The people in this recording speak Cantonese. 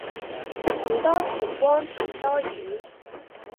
宇多田光田多雨